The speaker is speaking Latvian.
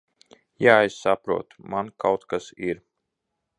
Jā, es saprotu. Man kaut kas ir...